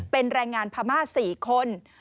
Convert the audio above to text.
เป็นแรงงานพม่า๔คน